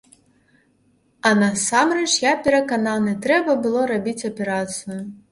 А насамрэч, я перакананы, трэба было рабіць аперацыю.